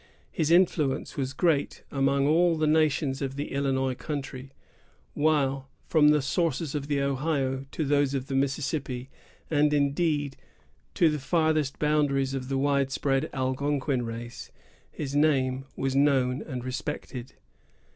His influence was great among all the nations of the Illinois country; while, from the sources of the Ohio to those of the Mississippi, and, indeed, to the farthest boundaries of the wide spread Algonquin race, his name was known and respected.